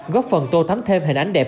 góp phần tô thắm thêm hình ảnh đẹp